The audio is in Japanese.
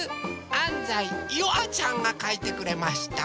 あんざいゆあちゃんがかいてくれました。